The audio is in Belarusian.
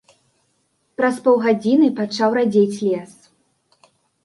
Праз паўгадзіны пачаў радзець лес.